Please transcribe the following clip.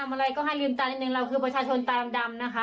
อะไรก็ให้ลืมตานิดนึงเราคือประชาชนตาดำนะคะ